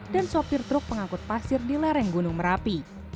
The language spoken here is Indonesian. dan sopir truk pengangkut pasir di lereng gunung merapi